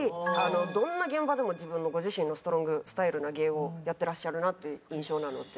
どんな現場でもご自身のストロングスタイルな芸をやってらっしゃるなという印象なので。